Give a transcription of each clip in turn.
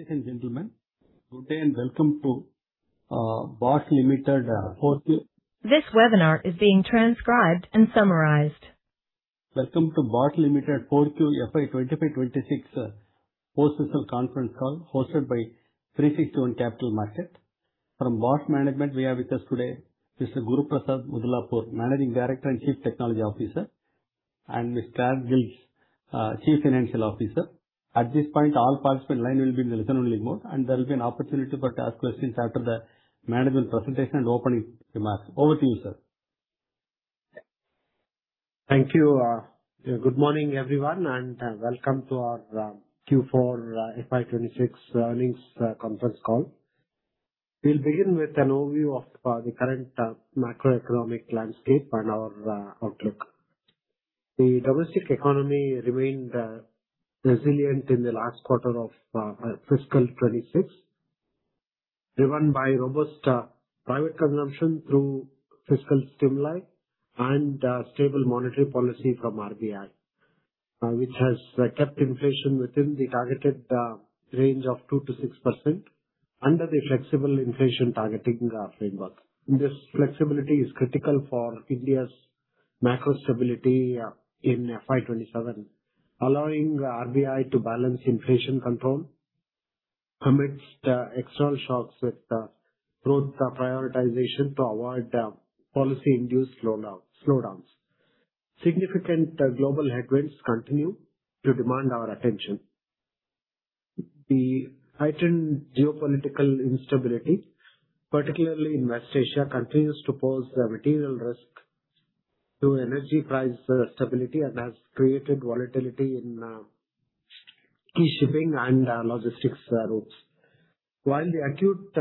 Ladies and gentlemen, good day and welcome to Bosch Limited Q4 FY 2025/2026 post-results conference call hosted by 360 ONE Capital. From Bosch Management, we have with us today Mr. Guruprasad Mudlapur, Managing Director and Chief Technology Officer, and Mr. Karin Gilges, Chief Financial Officer. At this point, all participants line will be in listen only mode. There will be an opportunity to ask questions after the management presentation and opening remarks. Over to you, sir. Thank you. Good morning, everyone. Welcome to our Q4 FY 2026 earnings conference call. We'll begin with an overview of the current macroeconomic landscape and our outlook. The domestic economy remained resilient in the last quarter of fiscal 2026, driven by robust private consumption through fiscal stimuli and stable monetary policy from RBI, which has kept inflation within the targeted range of 2% to 6% under the flexible inflation targeting framework. This flexibility is critical for India's macro stability in FY 2027, allowing RBI to balance inflation control amidst external shocks with growth prioritization to avoid policy-induced slowdowns. Significant global headwinds continue to demand our attention. The heightened geopolitical instability, particularly in West Asia, continues to pose a material risk to energy price stability and has created volatility in key shipping and logistics routes. While the acute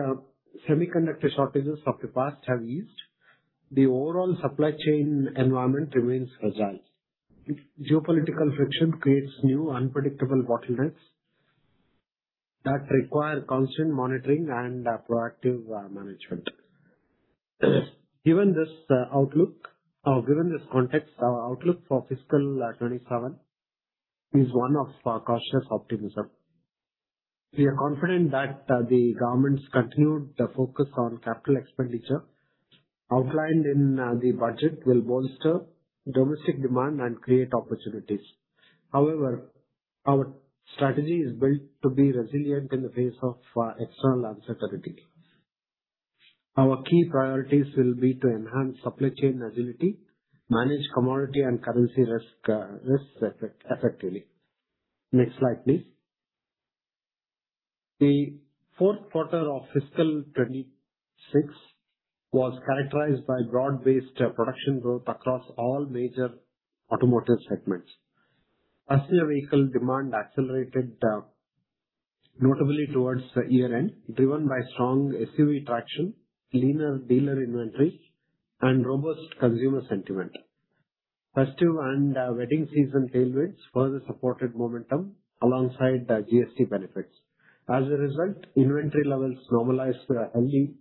semiconductor shortages of the past have eased, the overall supply chain environment remains fragile. Geopolitical friction creates new unpredictable bottlenecks that require constant monitoring and proactive management. Given this context, our outlook for fiscal 2027 is one of cautious optimism. We are confident that the government's continued focus on capital expenditure outlined in the budget will bolster domestic demand and create opportunities. However, our strategy is built to be resilient in the face of external uncertainty. Our key priorities will be to enhance supply chain agility, manage commodity and currency risks effectively. Next slide, please. The fourth quarter of FY 2026 was characterized by broad-based production growth across all major automotive segments. Passenger vehicle demand accelerated, notably towards the year-end, driven by strong SUV traction, leaner dealer inventories, and robust consumer sentiment. Festive and wedding season tailwinds further supported momentum alongside the GST benefits. As a result, inventory levels normalized to a healthy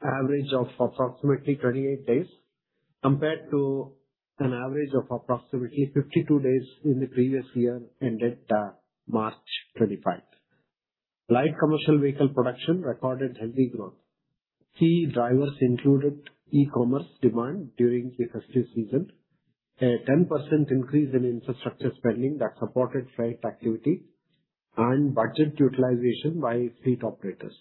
average of approximately 28 days, compared to an average of approximately 52 days in the previous year ended March 2025. Light Commercial Vehicle production recorded healthy growth. Key drivers included e-commerce demand during the festive season, a 10% increase in infrastructure spending that supported freight activity, and budget utilization by fleet operators.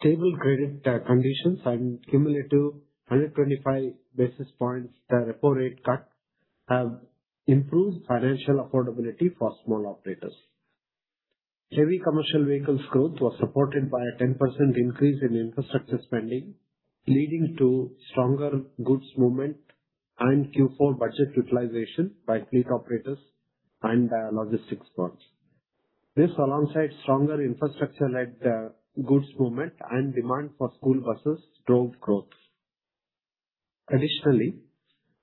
Stable credit conditions and cumulative 125 basis points repo rate cut have improved financial affordability for small operators. Heavy commercial vehicles growth was supported by a 10% increase in infrastructure spending, leading to stronger goods movement and Q4 budget utilization by fleet operators and logistics firms. This, alongside stronger infrastructure-led goods movement and demand for school buses, drove growth. Additionally,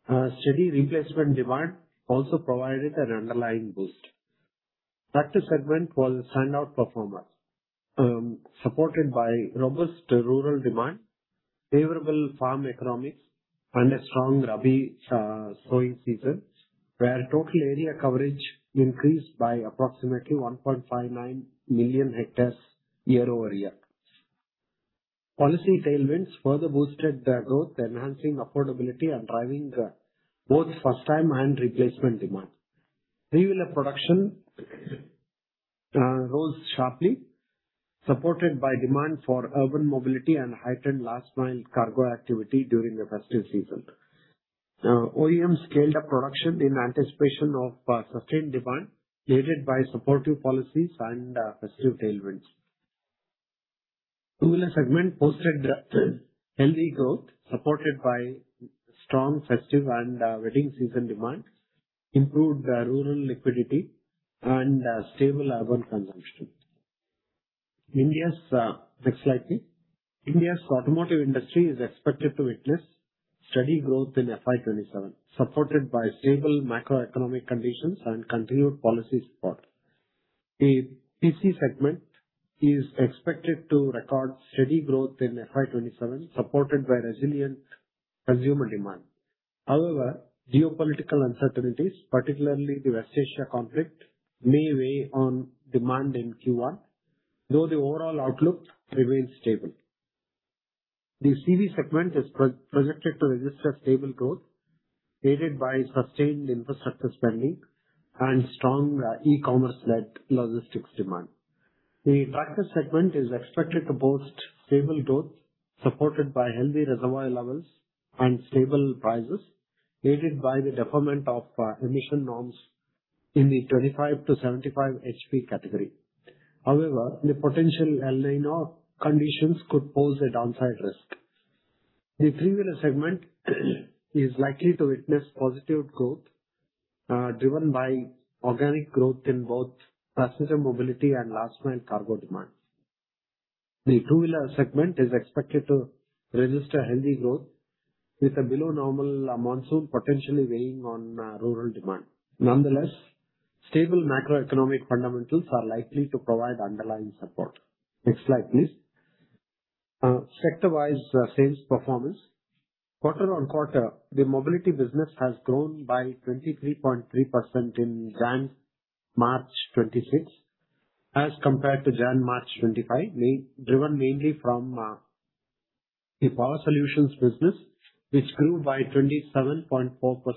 steady replacement demand also provided an underlying boost. Tractor segment was a standout performer, supported by robust rural demand, favorable farm economics, and a strong Rabi sowing season, where total area coverage increased by approximately 1.59 million hectares year-over-year. Policy tailwinds further boosted the growth, enhancing affordability and driving both first-time and replacement demand. Three wheeler production rose sharply, supported by demand for urban mobility and heightened last mile cargo activity during the festive season. OEMs scaled up production in anticipation of sustained demand, aided by supportive policies and festive tailwinds. two wheeler segment posted healthy growth supported by strong festive and wedding season demand, improved rural liquidity and stable urban consumption. Next slide please. India's automotive industry is expected to witness steady growth in FY 2027, supported by stable macroeconomic conditions and continued policy support. The PC segment is expected to record steady growth in FY 2027, supported by resilient consumer demand. However, geopolitical uncertainties, particularly the West Asia conflict, may weigh on demand in Q1, though the overall outlook remains stable. The CV segment is projected to register stable growth, aided by sustained infrastructure spending and strong e-commerce-led logistics demand. The tractors segment is expected to boast stable growth supported by healthy reservoir levels and stable prices, aided by the deferment of emission norms in the 25 to 75 HP category. However, the potential El Niño conditions could pose a downside risk. The three-wheeler segment is likely to witness positive growth, driven by organic growth in both passenger mobility and last-mile cargo demands. The two-wheeler segment is expected to register healthy growth, with a below-normal monsoon potentially weighing on rural demand. Nonetheless, stable macroeconomic fundamentals are likely to provide underlying support. Next slide, please. Sector-wise sales performance. Quarter-on-quarter, the mobility business has grown by 23.3% in Jan-March 2026 as compared to Jan-March 2025, driven mainly from the power solutions business, which grew by 27.4%,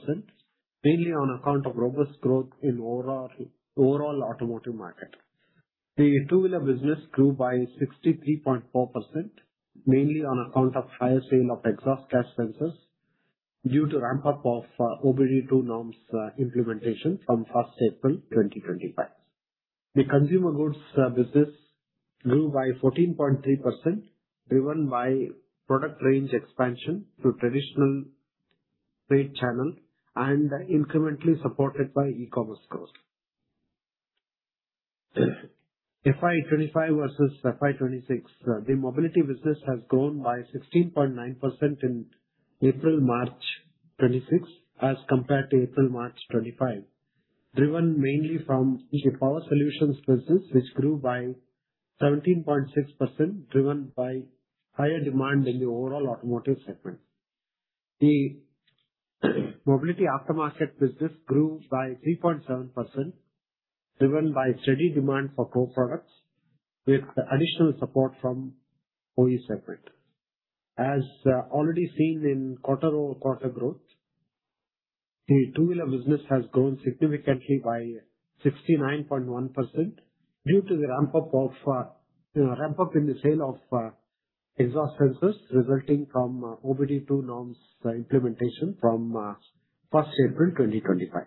mainly on account of robust growth in overall automotive market. The two-wheeler business grew by 63.4%, mainly on account of higher sale of exhaust gas sensors due to ramp-up of OBD2 norms implementation from 1st April 2025. The consumer goods business grew by 14.3%, driven by product range expansion to traditional trade channel and incrementally supported by e-commerce growth. FY 2025 versus FY 2026. The mobility business has grown by 16.9% in April-March 2026 as compared to April-March 2025, driven mainly from the power solutions business which grew by 17.6%, driven by higher demand in the overall automotive segment. The mobility aftermarket business grew by 3.7%, driven by steady demand for core products with additional support from OE segment. As already seen in quarter-over-quarter growth, the two-wheeler business has grown significantly by 69.1% due to the ramp-up in the sale of exhaust sensors resulting from OBD2 norms implementation from 1st April 2025.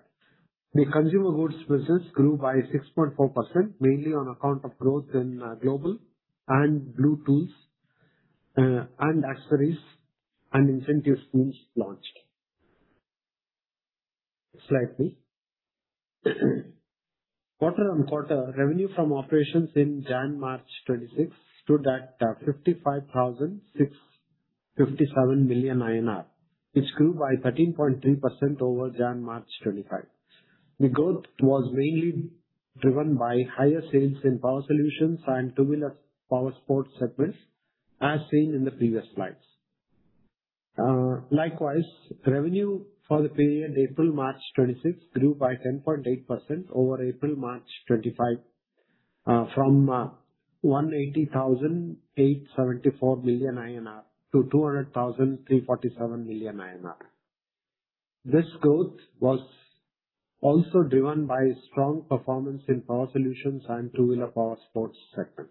The consumer goods business grew by 6.4%, mainly on account of growth in global and Bluetooth, and accessories and incentive schemes launched. Next slide, please. Quarter-on-quarter revenue from operations in January-March 2026 stood at 55,657 million INR, which grew by 13.3% over January-March 2025. The growth was mainly driven by higher sales in power solutions and two-wheeler power sports segments, as seen in the previous slides. Likewise, revenue for the period April-March 2026 grew by 10.8% over April-March 2025, from 180,874 million INR to 200,347 million INR. This growth was also driven by strong performance in power solutions and two-wheeler power sports sectors.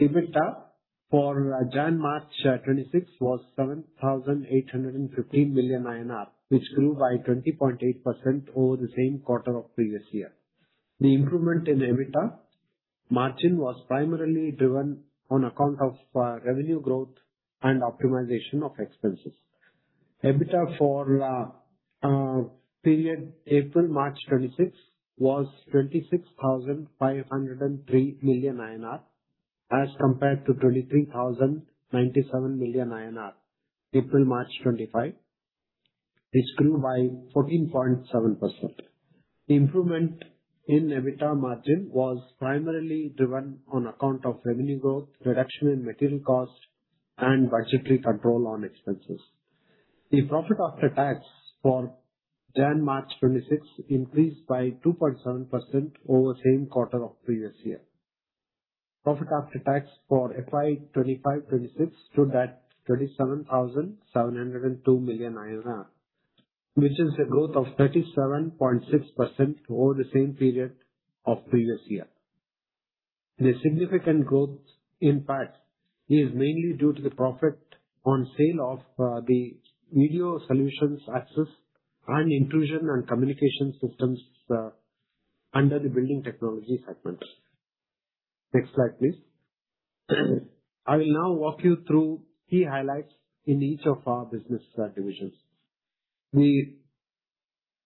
EBITDA for January-March 2026 was 7,815 million INR, which grew by 20.8% over the same quarter of previous year. The improvement in EBITDA margin was primarily driven on account of revenue growth and optimization of expenses. EBITDA for period April-March 2026 was 26,503 million INR as compared to 23,097 million INR April-March 2025, which grew by 14.7%. Improvement in EBITDA margin was primarily driven on account of revenue growth, reduction in material cost, and budgetary control on expenses. The profit after tax for January-March 2026 increased by 2.7% over same quarter of previous year. Profit after tax for FY 2025-2026 stood at 37,702 million INR, which is a growth of 37.6% over the same period of previous year. The significant growth impact is mainly due to the profit on sale of the video solutions access and intrusion and communication systems under the Building Technology segment. Next slide, please. I will now walk you through key highlights in each of our business divisions. The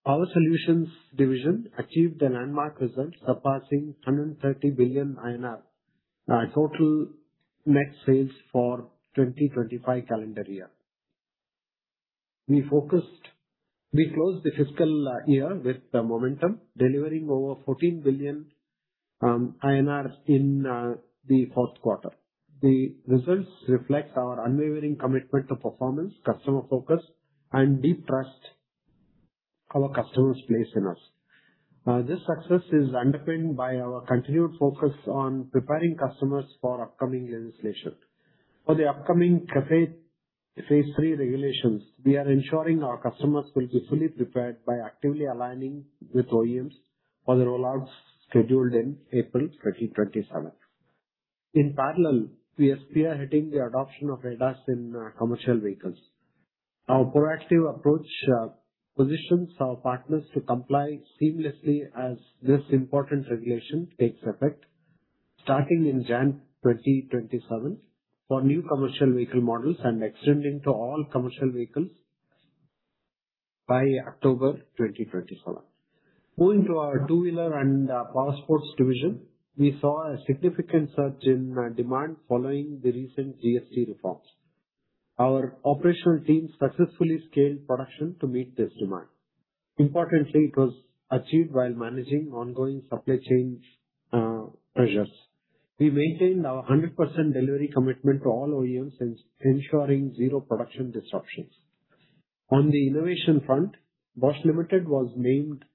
power solutions division achieved a landmark result, surpassing 130 billion INR total net sales for 2025 calendar year. We closed the fiscal year with momentum, delivering over 14 billion INR in the fourth quarter. The results reflect our unwavering commitment to performance, customer focus, and deep trust our customers place in us. This success is underpinned by our continued focus on preparing customers for upcoming legislation. For the upcoming CAFE phase III regulations, we are ensuring our customers will be fully prepared by actively aligning with OEMs for the rollouts scheduled in April 2027. In parallel, we are spearheading the adoption of ADAS in commercial vehicles. Our proactive approach positions our partners to comply seamlessly as this important regulation takes effect, starting in January 2027 for new commercial vehicle models and extending to all commercial vehicles by October 2027. Moving to our two-wheeler and power sports division, we saw a significant surge in demand following the recent GST reforms. Our operational team successfully scaled production to meet this demand. Importantly, it was achieved while managing ongoing supply chain pressures. We maintained our 100% delivery commitment to all OEMs, ensuring zero production disruptions. On the innovation front, Bosch Limited was named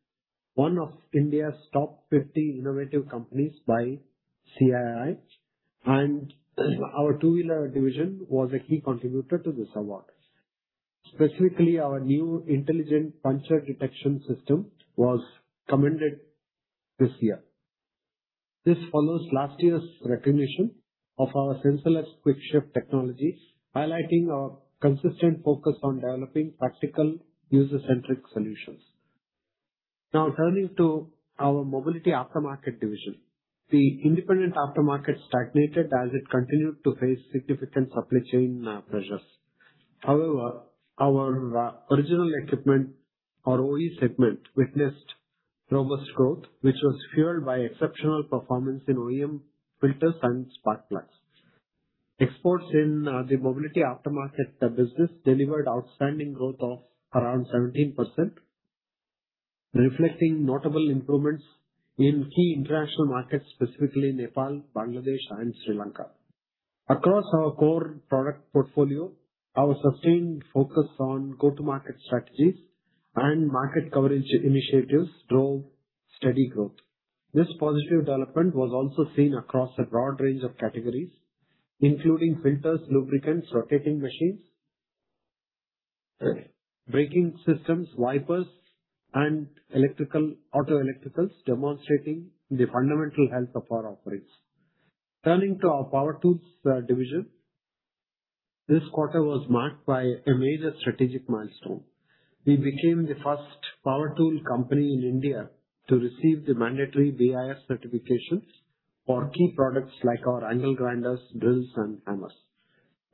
one of India's top 50 innovative companies by CII, and our two-wheeler division was a key contributor to this award. Specifically, our new intelligent puncture detection system was commended this year. This follows last year's recognition of our sensorless quick shift technology, highlighting our consistent focus on developing practical user-centric solutions. Turning to our mobility aftermarket division. The independent aftermarket stagnated as it continued to face significant supply chain pressures. Our original equipment or OE segment witnessed robust growth, which was fueled by exceptional performance in OEM filters and spark plugs. Exports in the mobility aftermarket business delivered outstanding growth of around 17%, reflecting notable improvements in key international markets, specifically Nepal, Bangladesh, and Sri Lanka. Across our core product portfolio, our sustained focus on go-to-market strategies and market coverage initiatives drove steady growth. This positive development was also seen across a broad range of categories, including filters, lubricants, rotating machines, braking systems, wipers, and auto electricals, demonstrating the fundamental health of our offerings. Turning to our power tools division. This quarter was marked by a major strategic milestone. We became the first power tool company in India to receive the mandatory BIS certifications for key products like our angle grinders, drills, and hammers.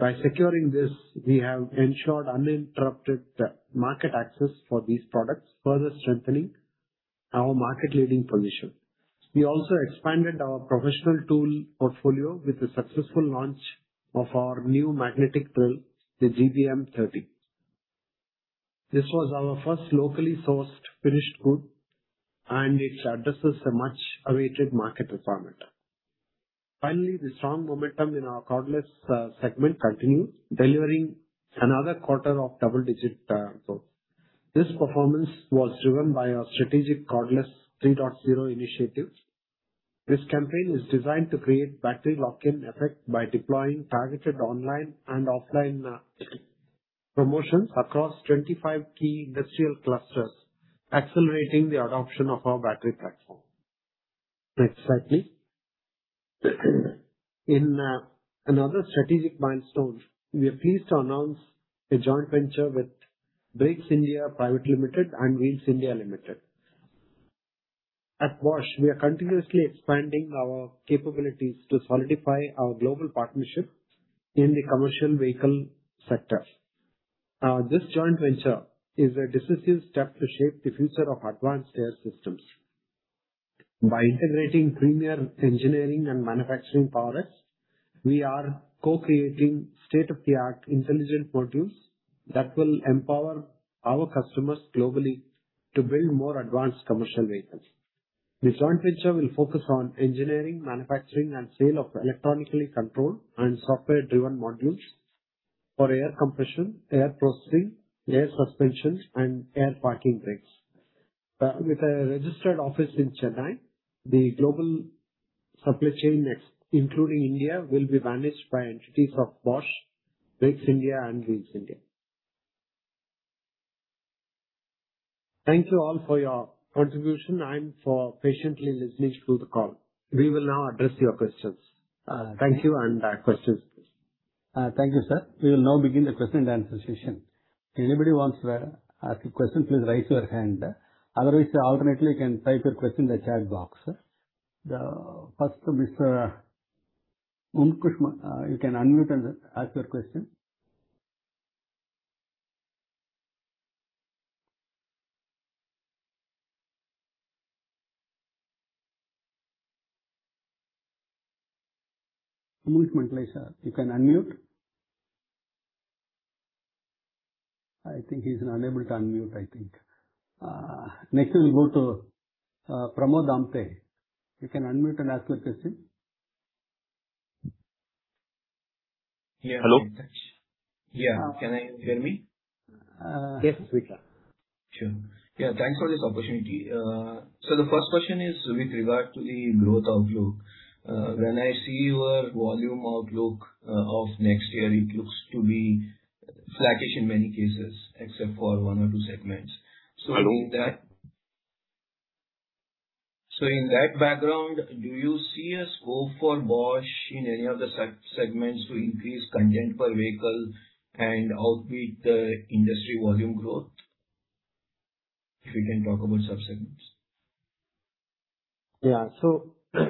By securing this, we have ensured uninterrupted market access for these products, further strengthening our market leading position. We also expanded our professional tool portfolio with the successful launch of our new magnetic drill, the GBM 30. This was our first locally sourced finished good, and it addresses a much awaited market requirement. Finally, the strong momentum in our cordless segment continued, delivering another quarter of double-digit growth. This performance was driven by our strategic Cordless 3.0 initiative. This campaign is designed to create battery lock-in effect by deploying targeted online and offline promotions across 25 key industrial clusters, accelerating the adoption of our battery platform. Next slide, please. In another strategic milestone, we are pleased to announce a joint venture with Brakes India Private Limited and Wheels India Limited. At Bosch, we are continuously expanding our capabilities to solidify our global partnership in the commercial vehicle sector. This joint venture is a decisive step to shape the future of advanced air systems. By integrating premier engineering and manufacturing prowess, we are co-creating state-of-the-art intelligent modules that will empower our customers globally to build more advanced commercial vehicles. The joint venture will focus on engineering, manufacturing, and sale of electronically controlled and software driven modules for air compression, air processing, air suspensions, and air parking brakes. With a registered office in Chennai, the global supply chain, including India, will be managed by entities of Bosch, Brakes India, and Wheels India. Thank you all for your contribution and for patiently listening to the call. We will now address your questions. Thank you and questions. Thank you, sir. We will now begin the question-and-answer session. Anybody wants to ask a question, please raise your hand. Otherwise, alternatively, you can type your question in the chat box. First, Mr. Mumuksh Mandalia, you can unmute and ask your question. You can unmute. I think he's unable to unmute, I think. Next we'll go to Pramod Amte. You can unmute and ask your question. Yeah. Hello. Yeah. Can you hear me? Yes, we can. Sure. Yeah, thanks for this opportunity. The first question is with regard to the growth outlook. When I see your volume outlook of next year, it looks to be flattish in many cases, except for one or two segments. Hello. In that background, do you see a scope for Bosch in any of the subsegments to increase content per vehicle and outpace the industry volume growth? If we can talk about subsegments. Yeah.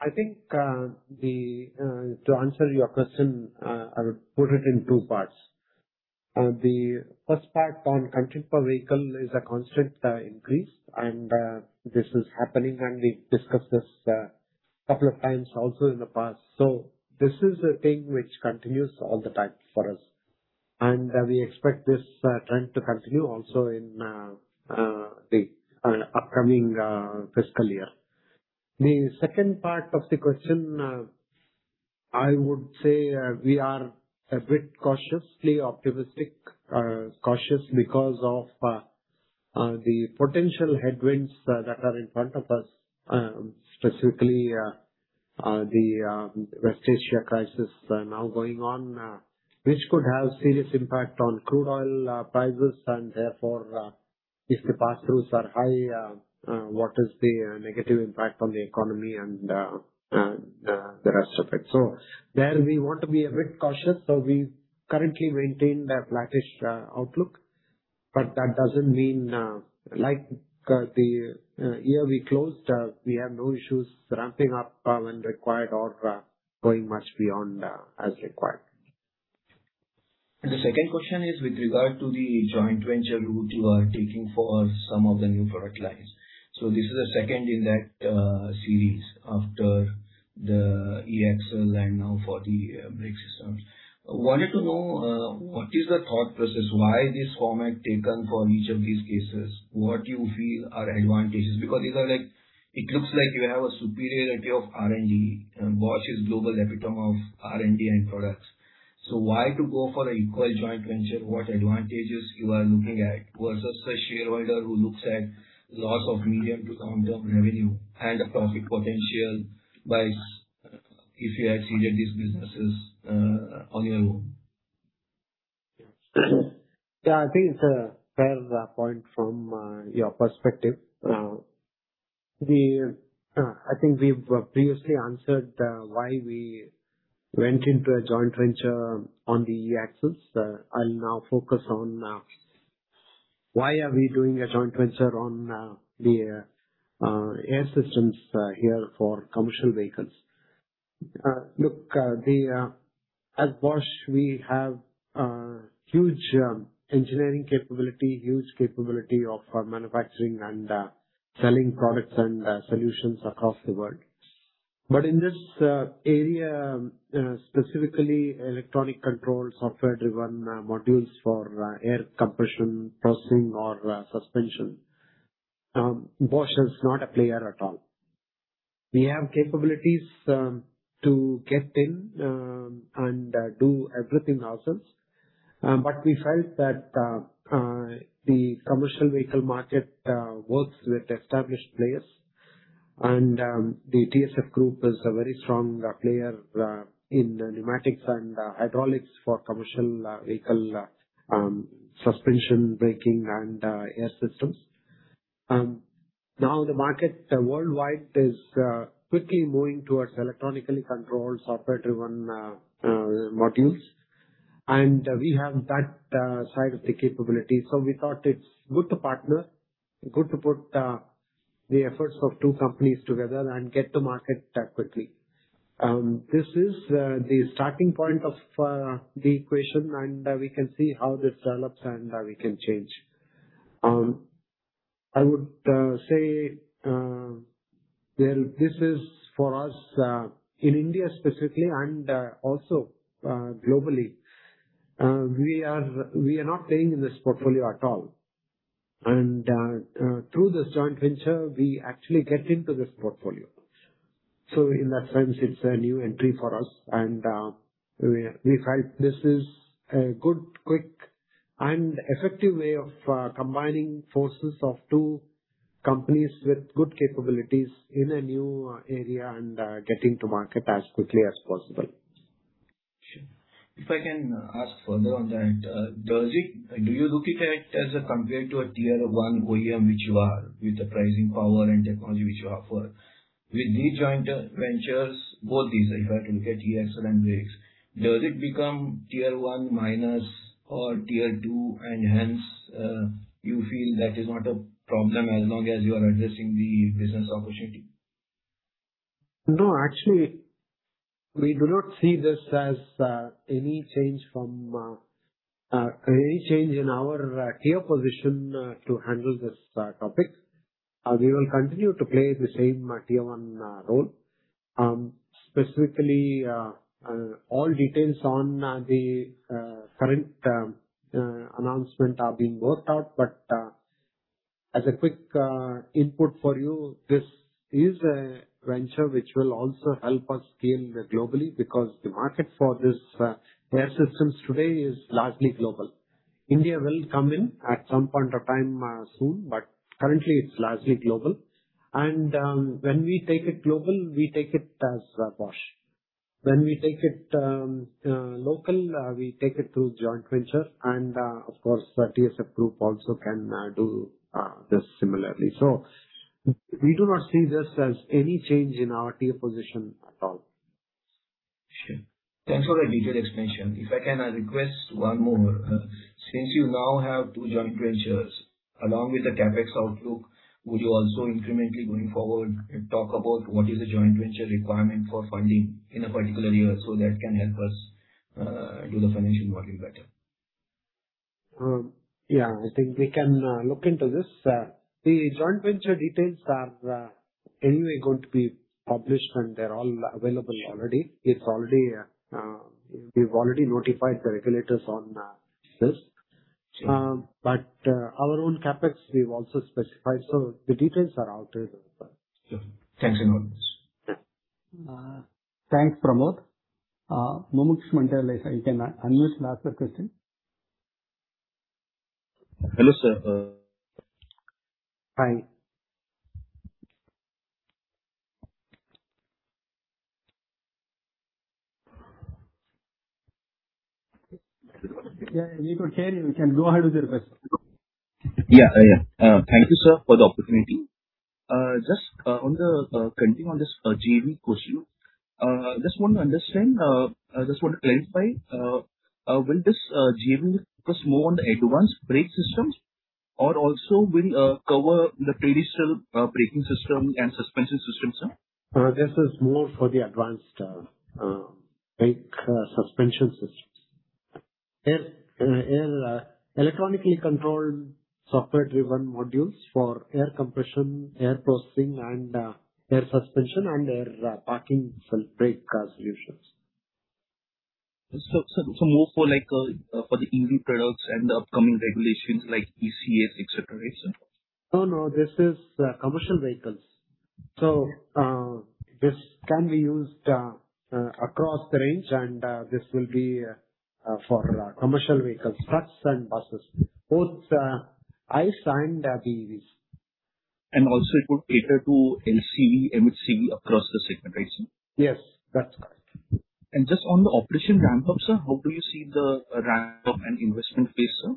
I think to answer your question, I would put it in two parts. The first part on content per vehicle is a constant increase, and this is happening, and we discussed this a couple of times also in the past. This is a thing which continues all the time for us, and we expect this trend to continue also in the upcoming fiscal year. The second part of the question, I would say we are a bit cautiously optimistic, cautious because of the potential headwinds that are in front of us, specifically the West Asia crisis now going on, which could have serious impact on crude oil prices, and therefore, if the pass-throughs are high, what is the negative impact on the economy and the rest of it. There we want to be a bit cautious. We currently maintain the flattish outlook, but that doesn't mean, like the year we closed, we have no issues ramping up when required or going much beyond as required. The second question is with regard to the joint venture route you are taking for some of the new product lines. This is the second in that series after the e-axle and now for the brake system. I wanted to know what is the thought process, why this format taken for each of these cases, what you feel are advantages? It looks like you have a superiority of R&D, and Bosch is global epitome of R&D and products. Why to go for an equal joint venture? What advantages you are looking at versus a shareholder who looks at loss of medium to long-term revenue and a profit potential if you had ceded these businesses on your own? Yeah, I think it's a fair point from your perspective. I think we've previously answered why we went into a joint venture on the e-axles. I'll now focus on why are we doing a joint venture on the air systems here for commercial vehicles. Look, at Bosch, we have huge engineering capability, huge capability of manufacturing and selling products and solutions across the world. In this area, specifically electronic controlled, software-driven modules for air compression, processing, or suspension, Bosch is not a player at all. We have capabilities to get in and do everything ourselves. We felt that the commercial vehicle market works with established players, and the TVS Group is a very strong player in pneumatics and hydraulics for commercial vehicle suspension, braking, and air systems. The market worldwide is quickly moving towards electronically controlled, software-driven modules, and we have that side of the capability. We thought it's good to partner, good to put the efforts of two companies together and get to market quickly. This is the starting point of the equation, and we can see how this develops and we can change. I would say, well, this is for us, in India specifically and also globally, we are not playing in this portfolio at all. Through this joint venture, we actually get into this portfolio. In that sense, it's a new entry for us, and we felt this is a good, quick, and effective way of combining forces of two companies with good capabilities in a new area and getting to market as quickly as possible. Sure. If I can ask further on that, do you look it as a compared to a Tier 1 OEM, which you are with the pricing power and technology which you offer? With these joint ventures, both these, if I have to look at e-axle and brakes, does it become Tier 1 minus or Tier 2 and hence, you feel that is not a problem as long as you are addressing the business opportunity? No, actually, we do not see this as any change in our tier position to handle this topic, we will continue to play the same Tier 1 role. Specifically, all details on the current announcement are being worked out, but as a quick input for you, this is a venture which will also help us scale globally because the market for these air systems today is largely global. India will come in at some point of time soon, but currently it's largely global. When we take it global, we take it as Bosch. When we take it local, we take it through joint venture and of course, TVS Group also can do this similarly. We do not see this as any change in our tier position at all. Sure. Thanks for the detailed explanation. If I can, I request one more. Since you now have two joint ventures along with the CapEx outlook, would you also incrementally going forward talk about what is the joint venture requirement for funding in a particular year? That can help us do the financial modeling better. Yeah, I think we can look into this. The joint venture details are anyway going to be published, and they're all available already. We've already notified the regulators on this. Sure. Our own CapEx, we've also specified, so the details are out there. Sure. Thanks a lot. Thanks, Pramod. Mumuksh Mandalia, you can unmute and ask your question. Hello, sir. Hi. Yeah, you could carry on. You can go ahead with your question. Yeah. Thank you, sir, for the opportunity. Just on the continuing on this JV question, just want to understand, just want to clarify, will this JV focus more on the advanced brake systems or also will cover the traditional braking system and suspension system, sir? This is more for the advanced brake suspension systems. They're electronically controlled, software-driven modules for air compression, air processing, and air suspension, and air parking self-brake solutions. More for the EV products and the upcoming regulations like ESC, et cetera, right, sir? No, this is commercial vehicles. This can be used across the range and this will be for commercial vehicles, trucks and buses, both ICE and BEVs. Also it would cater to LCV, MHCV across the segment, right, sir? Yes, that's correct. Just on the operation ramp-up, sir, how do you see the ramp-up and investment phase, sir,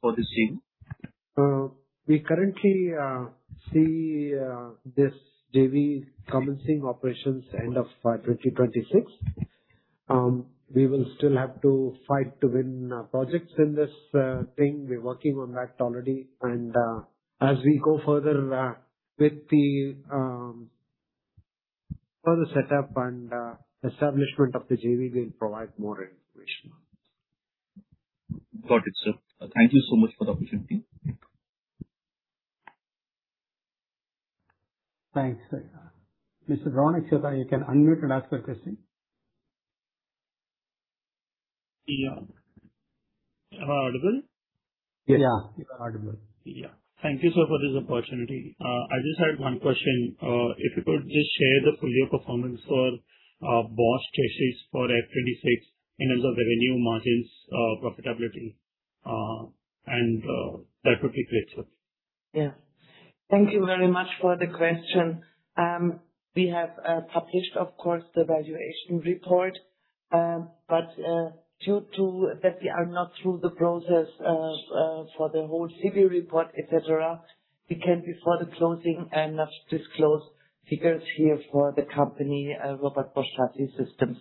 for this JV? We currently see this JV commencing operations end of 2026. We will still have to fight to win projects in this thing. We're working on that already, and as we go further with the further setup and establishment of the JV, we'll provide more information on it. Got it, sir. Thank you so much for the opportunity. Thanks. Mr. Raunak Chugh, you can unmute and ask your question. Yeah. Am I audible? Yeah, you are audible. Yeah. Thank you, sir, for this opportunity. I just had one question. If you could just share the full year performance for Bosch Chassis for FY 2026 in terms of revenue margins profitability. That would be great, sir. Yeah. Thank you very much for the question. [inaudible] Due to that we are not through the process for the whole CV report, et cetera, we can't before the closing and not disclose figures here for the company, Robert Bosch Chassis Systems.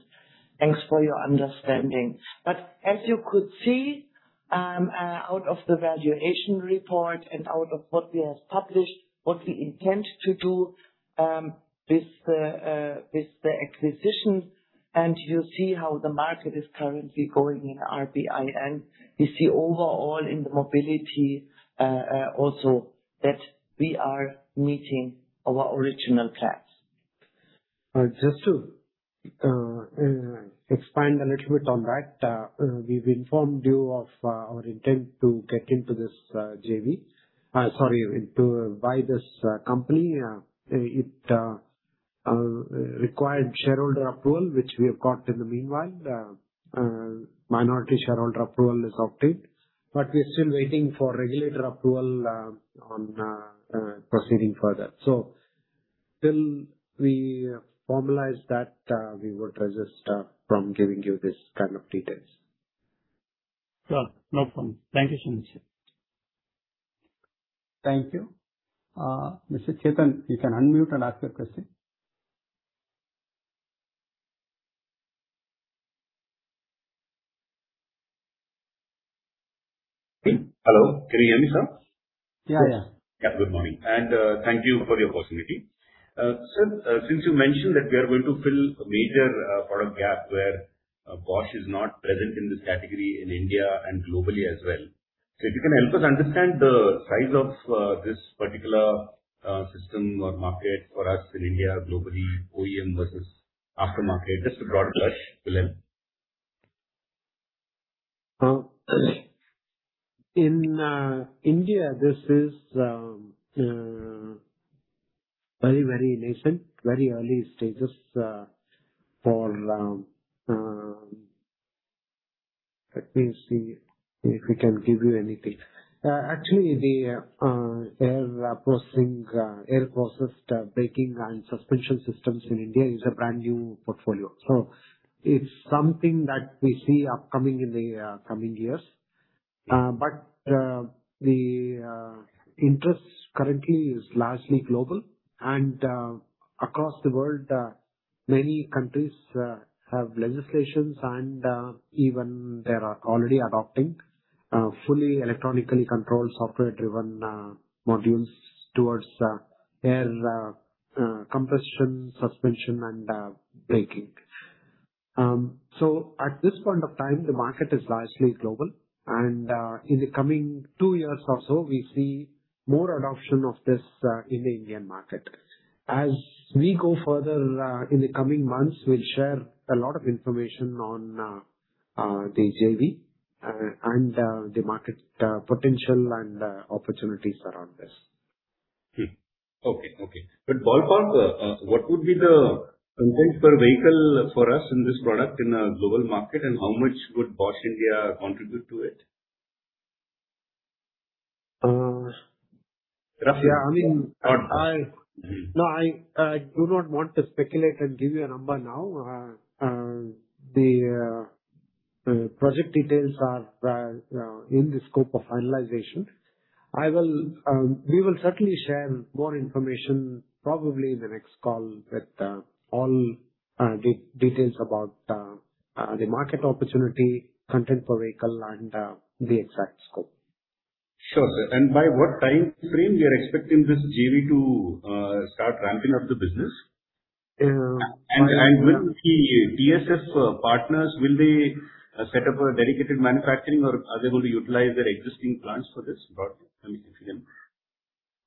Thanks for your understanding. As you could see, out of the valuation report and out of what we have published, what we intend to do with the acquisition, and you see how the market is currently going in RBI, and you see overall in the mobility also that we are meeting our original plans. Just to expand a little bit on that. We've informed you of our intent to buy this company. It required shareholder approval, which we have got in the meanwhile. Minority shareholder approval is obtained, we are still waiting for regulator approval on proceeding further. Till we formalize that, we would resist from giving you this kind of details. Sure. No problem. Thank you so much, sir. Thank you. Mr. Chetan, you can unmute and ask your question. Hello, can you hear me, sir? Yeah. Yeah, good morning, and thank you for your opportunity. Sir, since you mentioned that we are going to fill a major product gap where Bosch is not present in this category in India and globally as well. If you can help us understand the size of this particular system or market for us in India, globally, OEM versus aftermarket, just a broad brush will help. In India, this is very nascent, very early stages. Let me see if I can give you anything. Actually, the air processed braking and suspension systems in India is a brand-new portfolio. It's something that we see upcoming in the coming years. The interest currently is largely global and across the world, many countries have legislations and even they are already adopting fully electronically controlled software-driven modules towards air compression, suspension, and braking. At this point of time, the market is largely global, and in the coming two years or so, we see more adoption of this in the Indian market. As we go further in the coming months, we'll share a lot of information on the JV and the market potential and opportunities around this. Okay. Ballpark, what would be the content per vehicle for us in this product in a global market and how much would Bosch India contribute to it? Roughly. Yeah. No, I do not want to speculate and give you a number now. The project details are in the scope of finalization. We will certainly share more information probably in the next call with all the details about the market opportunity, content per vehicle, and the exact scope. Sure, sir. By what time frame we are expecting this JV to start ramping up the business? Will the DSS partners, will they set up a dedicated manufacturing or are they going to utilize their existing plants for this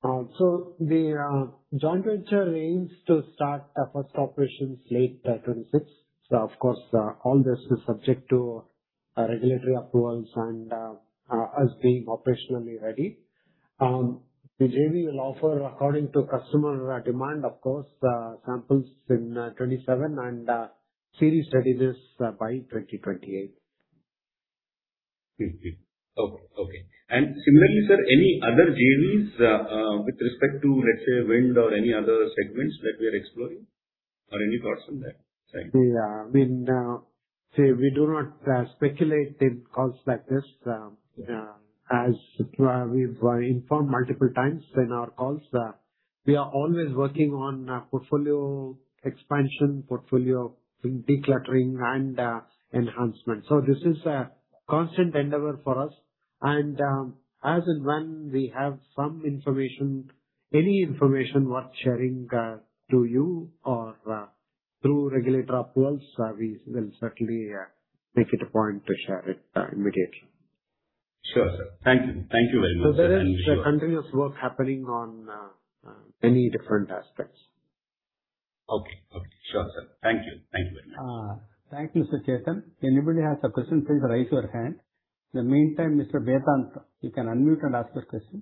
product coming to them? The joint venture aims to start first operations late 2026. Of course, all this is subject to regulatory approvals and us being operationally ready. The JV will offer according to customer demand, of course, samples in 2027 and series readiness by 2028. Okay. Similarly, sir, any other JVs with respect to, let's say, wind or any other segments that we are exploring? Any thoughts on that side? We do not speculate in calls like this. As we've informed multiple times in our calls, we are always working on portfolio expansion, portfolio decluttering, and enhancement. This is a constant endeavor for us and as and when we have some information, any information worth sharing to you or through regulatory approvals, we will certainly make it a point to share it immediately. Sure, sir. Thank you. Thank you very much. There is continuous work happening on many different aspects. Okay. Sure, sir. Thank you. Thank you very much. Thank you, Mr. Chetan. Anybody has a question, please raise your hand. In the meantime, Mr. Vedant, you can unmute and ask your question.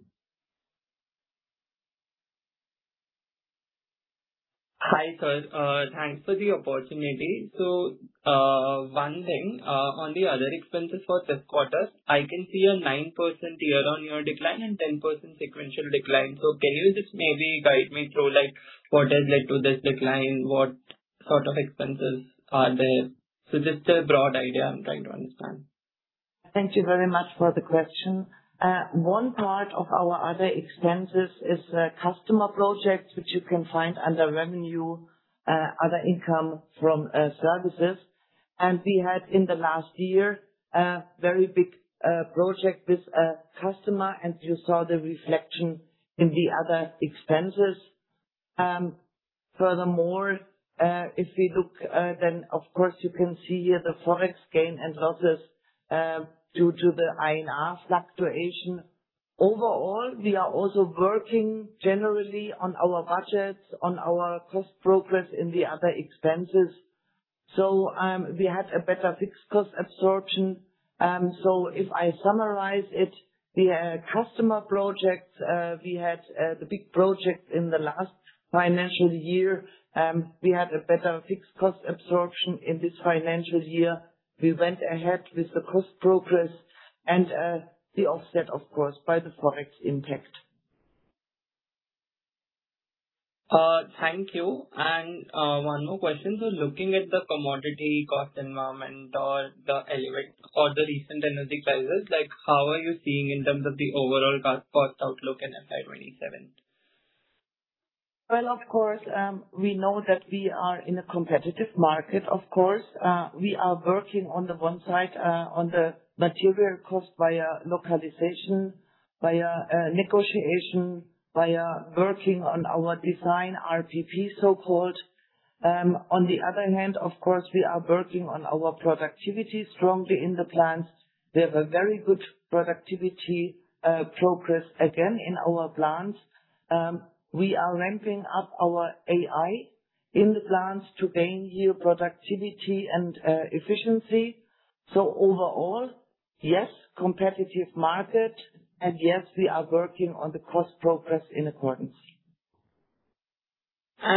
Hi, sir. Thanks for the opportunity. One thing, on the other expenses for this quarter, I can see a 9% year-on-year decline and 10% sequential decline. Can you just maybe guide me through what has led to this decline? What sort of expenses are there? Just a broad idea, I'm trying to understand. Thank you very much for the question. One part of our other expenses is customer projects, which you can find under revenue, other income from services. We had in the last year a very big project with a customer, and you saw the reflection in the other expenses. Furthermore, if we look, of course you can see here the Forex gain and losses due to the INR fluctuation. Overall, we are also working generally on our budgets, on our cost progress in the other expenses. We had a better fixed cost absorption. If I summarize it, the customer projects, we had the big project in the last financial year. We had a better fixed cost absorption in this financial year. We went ahead with the cost progress and the offset, of course, by the Forex impact. Thank you. One more question, looking at the commodity cost environment or the recent energy prices, how are you seeing in terms of the overall cost outlook in FY 2027? Well, of course, we know that we are in a competitive market. We are working on the one side on the material cost via localization, via negotiation, via working on our design RPP, so-called. On the other hand, of course, we are working on our productivity strongly in the plants. We have a very good productivity progress again in our plants. We are ramping up our AI in the plants to gain new productivity and efficiency. Overall, yes, competitive market, and yes, we are working on the cost progress in accordance. Just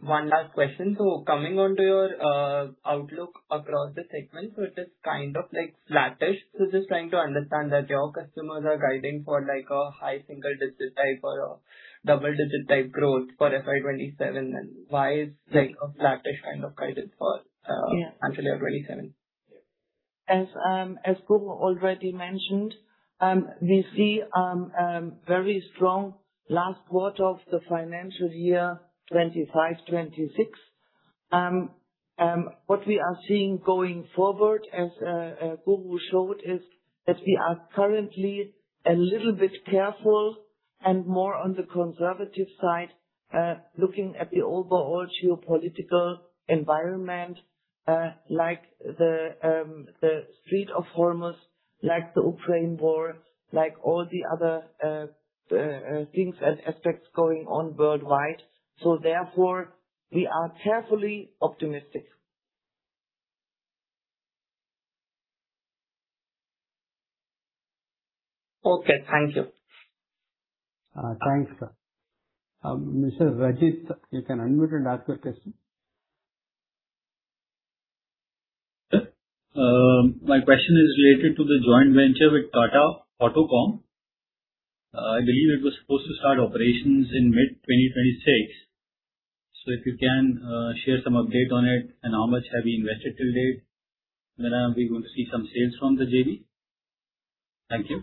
one last question. Coming on to your outlook across the segment, it is kind of flattish. Just trying to understand that your customers are guiding for a high single-digit type or a double-digit type growth for FY 2027, why is a flattish kind of guidance for— Yeah Until year 2027? As Guruprasad already mentioned, we see very strong last quarter of the financial year 2025/2026. What we are seeing going forward, as Guruprasad showed, is that we are currently a little bit careful and more on the conservative side, looking at the overall geopolitical environment, like the Strait of Hormuz, like the Ukraine war, like all the other things and aspects going on worldwide. Therefore, we are carefully optimistic. Okay. Thank you. Thanks. Mr. Rajit, you can unmute and ask your question. My question is related to the joint venture with Tata AutoComp. I believe it was supposed to start operations in mid-2026. If you can share some update on it and how much have you invested till date. When are we going to see some sales from the JV? Thank you.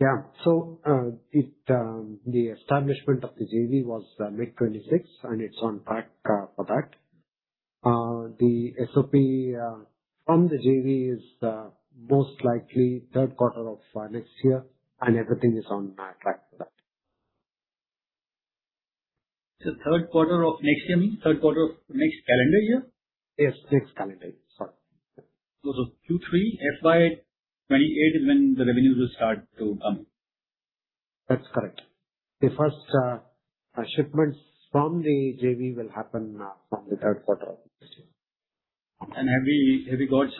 Yeah. The establishment of the JV was mid-2026, and it's on track for that. The SOP from the JV is most likely third quarter of next year, and everything is on track for that. Third quarter of next year means third quarter of next calendar year? Yes, next calendar year. Sorry. Q3 FY 2028 is when the revenues will start to come in. That's correct. The first shipment from the JV will happen from the third quarter of next year. Have you got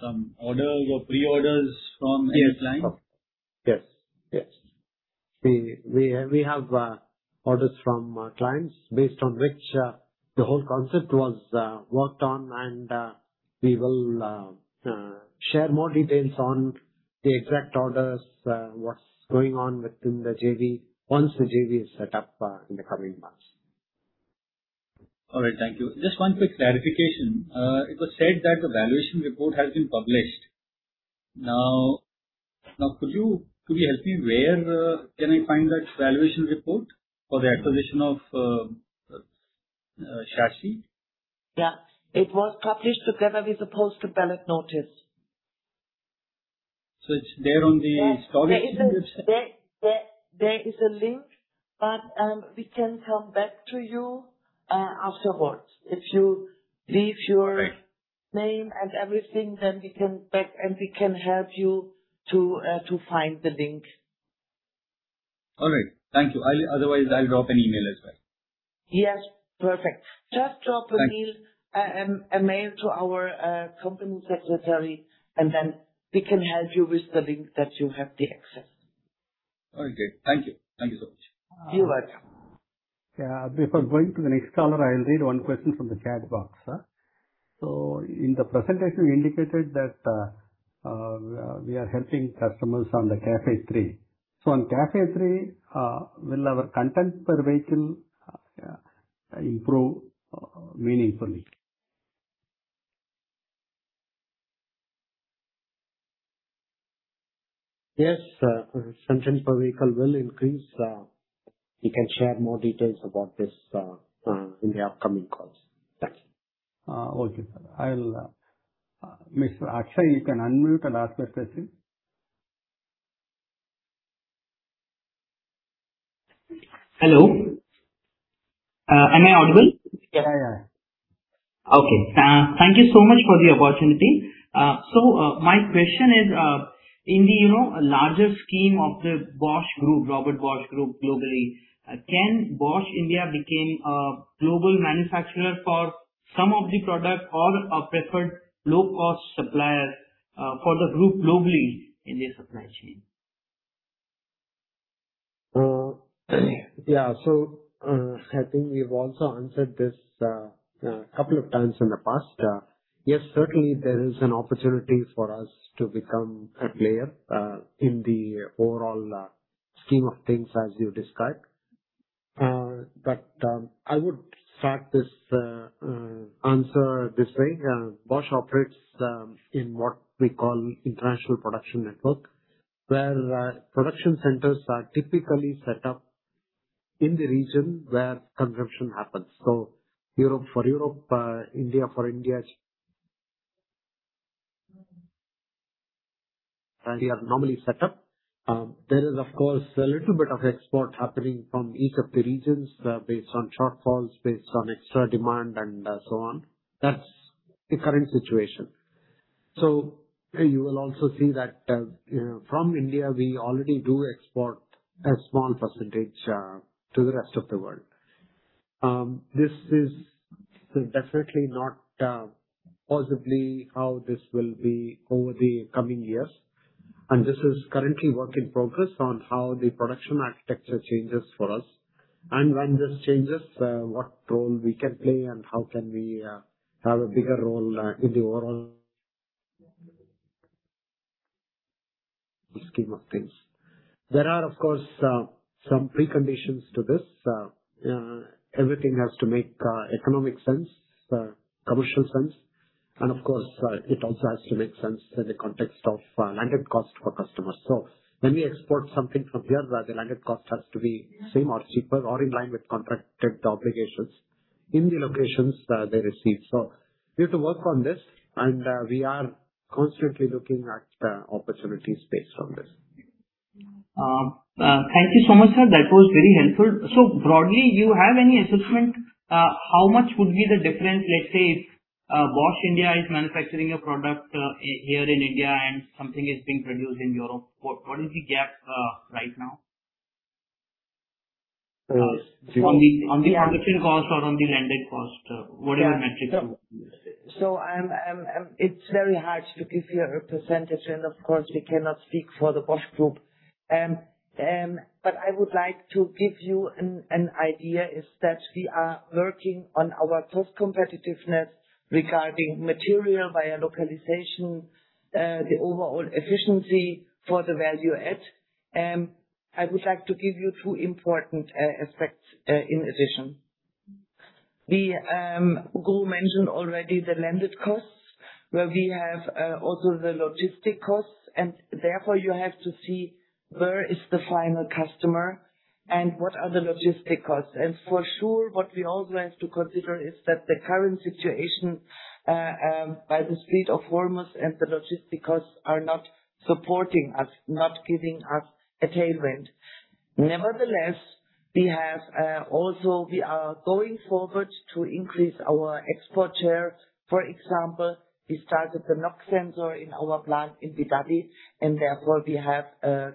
some orders or pre-orders from any client? Yes. We have orders from clients based on which the whole concept was worked on, and we will share more details on the exact orders, what's going on within the JV once the JV is set up in the coming months. All right. Thank you. Just one quick clarification. It was said that the valuation report has been published. Could you please help me where can I find that valuation report for the acquisition of Chassis? Yeah. It was published together with the post ballot notice. It's there on the disclosure? There is a link, but we can come back to you afterwards. If you leave your— Right. Name and everything, then we can back and we can help you to find the link. All right. Thank you. Otherwise, I'll drop an email as well. Yes, perfect. Just drop a mail— Thanks A mail to our company secretary, and then we can help you with the link that you have the access. Okay. Thank you. Thank you so much. You're welcome. Before going to the next caller, I'll read one question from the chat box. In the presentation, we indicated that we are helping customers on the CAFE 3. On CAFE 3, will our content per vehicle improve meaningfully? Yes, content per vehicle will increase. We can share more details about this in the upcoming calls. Thanks. Okay, sir. Mr. Akshay, you can unmute and ask your question. Hello. Am I audible? Yeah. Okay. Thank you so much for the opportunity. My question is, in the larger scheme of the Bosch Group, Robert Bosch GmbH globally, can Bosch India become a global manufacturer for some of the product or a preferred low-cost supplier for the Group globally in their supply chain? Yeah. I think we've also answered this a couple of times in the past. Yes, certainly there is an opportunity for us to become a player in the overall scheme of things as you described. I would start this answer this way. Bosch operates in what we call international production network, where production centers are typically set up in the region where consumption happens. Europe for Europe, India for India. We have normally set up. There is of course, a little bit of export happening from each of the regions based on shortfalls, based on extra demand, and so on. That's the current situation. You will also see that from India, we already do export a small percentage to the rest of the world. This is definitely not possibly how this will be over the coming years. This is currently work in progress on how the production architecture changes for us. When this changes, what role we can play and how can we have a bigger role in the overall scheme of things. There are, of course, some preconditions to this. Everything has to make economic sense, commercial sense. Of course, it also has to make sense in the context of landed cost for customers. When we export something from here, the landed cost has to be same or cheaper or in line with contracted obligations in the locations they receive. We have to work on this. We are constantly looking at opportunities based on this. Thank you so much, sir. That was very helpful. Broadly, you have any assessment how much would be the difference, let's say, if Bosch India is manufacturing a product here in India and something is being produced in Europe? What is the gap right now? On the production cost or on the landed cost, what are the metrics you look at? It's very hard to give you a percentage and, of course, we cannot speak for the Bosch Group. I would like to give you an idea, is that we are working on our cost competitiveness regarding material via localization, the overall efficiency for the value add. I would like to give you two important aspects in addition. Guruprasad mentioned already the landed costs, where we have also the logistic costs, and therefore, you have to see where is the final customer and what are the logistic costs. For sure, what we also have to consider is that the current situation, by the speed of [inaudible] and the logistic costs are not supporting us, not giving us a tailwind. Nevertheless, we are going forward to increase our export share. For example, we started the NOx Sensor in our plant in Bidadi, and therefore we have a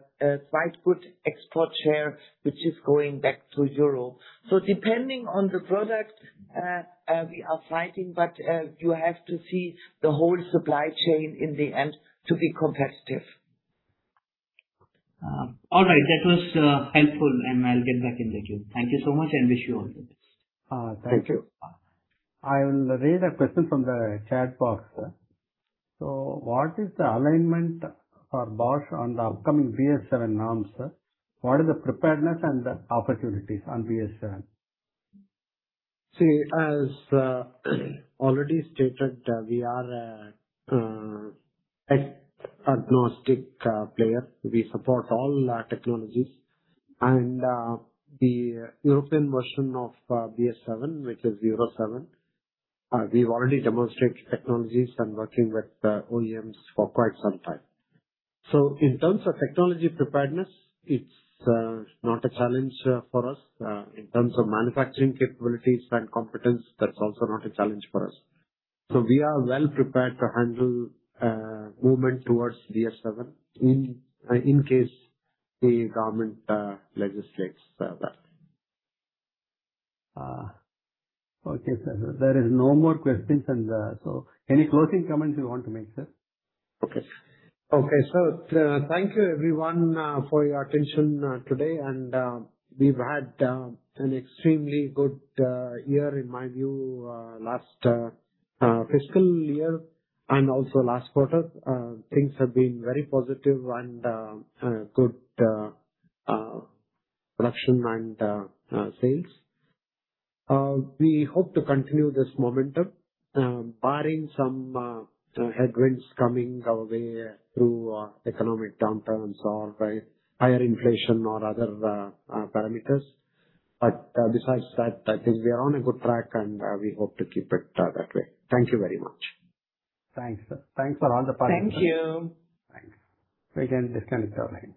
quite good export share, which is going back to Europe. Depending on the product, we are fighting, but you have to see the whole supply chain in the end to be competitive. All right. That was helpful, and I'll get back in with you. Thank you so much, and wish you all the best. Thank you. I will read a question from the chat box. What is the alignment for Bosch on the upcoming BS VII norms? What is the preparedness and the opportunities on BS VII? As already stated, we are an agnostic player. We support all technologies and the European version of BS VII, which is Euro VII. We've already demonstrated technologies and working with OEMs for quite some time. In terms of technology preparedness, it's not a challenge for us. In terms of manufacturing capabilities and competence, that's also not a challenge for us. We are well prepared to handle movement towards BS VII in case the government legislates that. Okay, sir. There is no more questions. Any closing comments you want to make, sir? Okay. Thank you everyone for your attention today, we've had an extremely good year, in my view, last fiscal year and also last quarter. Things have been very positive and good production and sales. We hope to continue this momentum, barring some headwinds coming our way through economic downturns or by higher inflation or other parameters. Besides that, I think we are on a good track, and we hope to keep it that way. Thank you very much. Thanks. Thank you. Thanks. We can disconnect our end.